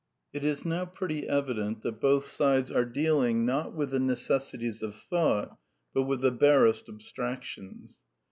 It is now pretty evident that both sides are dealing, not with the necessities of thought, but with the barest ab stractions.